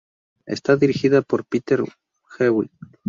Esta dirigida por Peter Hewitt.